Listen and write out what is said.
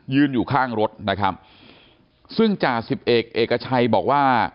อยู่ข้างรถนะครับซึ่งจ่าสิบเอกเอกชัยบอกว่า